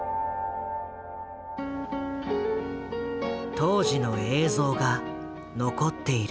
当時の映像が残っている。